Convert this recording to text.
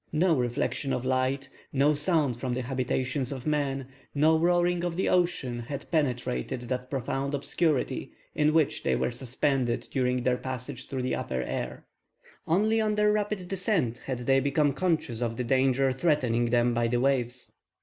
No reflection of light, no sound from the habitations of men, no roaring of the ocean had penetrated that profound obscurity in which they were suspended during their passage through the upper air. Only on their rapid descent had they become conscious of the danger threatening them by the waves.